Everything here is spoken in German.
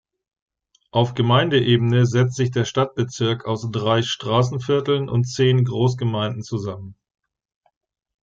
Auf Gemeindeebene setzt sich der Stadtbezirk aus drei Straßenvierteln und zehn Großgemeinden zusammen.